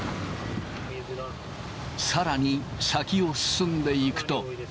さらに、先を進んでいくと。